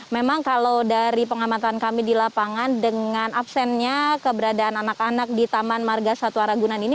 memang kalau dari pengamatan kami di lapangan dengan absennya keberadaan anak anak di taman marga satwa ragunan ini